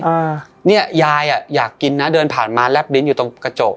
อ่าเนี่ยยายอ่ะอยากกินนะเดินผ่านมาแลบลิ้นอยู่ตรงกระจก